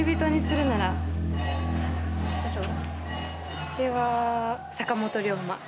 私は坂本龍馬。